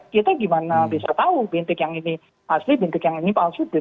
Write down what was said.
kita gimana bisa tahu bintik yang ini asli bintik yang ini palsubis